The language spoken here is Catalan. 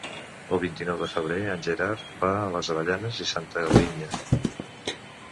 El vint-i-nou de febrer en Gerard va a les Avellanes i Santa Linya.